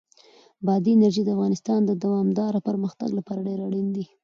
بادي انرژي د افغانستان د دوامداره پرمختګ لپاره ډېر اړین دي.